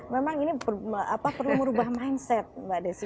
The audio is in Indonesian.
memang ini perlu merubah mindset mbak desi